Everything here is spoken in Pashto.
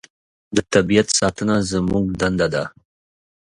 د طبیعت ساتنه زموږ دنده ده.